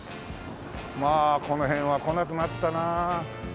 まあこの辺は来なくなったなあ。